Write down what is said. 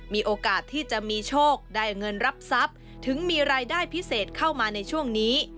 มีโอกาสที่จะมีโชคได้เงินรับทรัพย์ถึงมีรายได้พิเศษเข้ามาในช่วงนี้